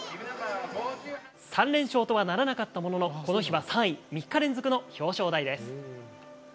３連勝とはならなかったものの、この日は３位、３日連続の表彰台